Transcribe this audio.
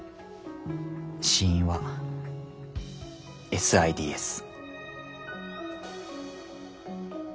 死因はＳＩＤＳ。